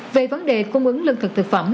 về vấn đề cung ứng lương thực thực phẩm